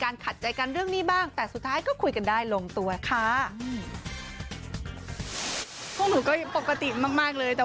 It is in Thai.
แรกเลยอะไรอย่างนี้ครับ